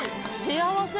幸せ。